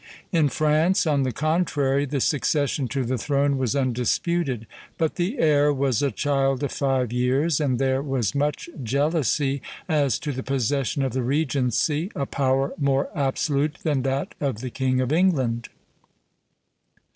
In France, on the contrary, the succession to the throne was undisputed; but the heir was a child of five years, and there was much jealousy as to the possession of the regency, a power more absolute than that of the King of England.